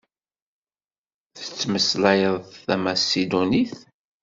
Tettmeslayeḍ tamasidunit?